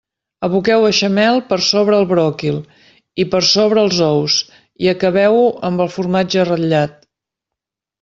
Aboqueu beixamel per sobre el bròquil i per sobre els ous, i acabeu-ho amb el formatge ratllat.